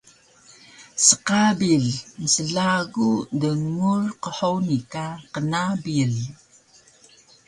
sqabil mslagu dngur qhuni ka qnabil